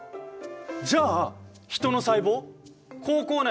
じゃあヒトの細胞口腔内